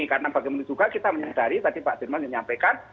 karena bagaimana juga kita menyadari tadi pak dirman menyampaikan